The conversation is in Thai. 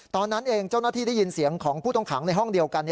ตอนนั้นเองเจ้าหน้าที่ได้ยินเสียงของผู้ต้องขังในห้องเดียวกัน